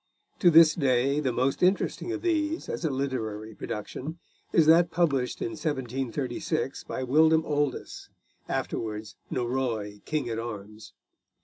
To this day the most interesting of these, as a literary production, is that published in 1736 by William Oldys, afterwards Norroy King at Arms.